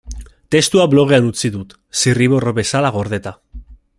Testua blogean utzi dut, zirriborro bezala gordeta.